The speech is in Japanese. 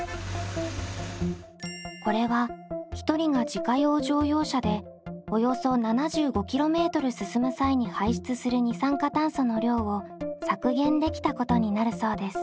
これは１人が自家用乗用車でおよそ７５ｋｍ進む際に排出する二酸化炭素の量を削減できたことになるそうです。